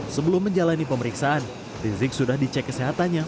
sebelum menjalani pemeriksaan rizik sudah dicek kesehatannya